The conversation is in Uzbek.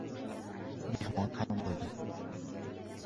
Mehmon hayron boʻldi.